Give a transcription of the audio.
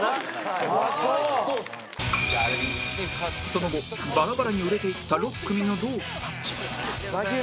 その後バラバラに売れていった６組の同期たち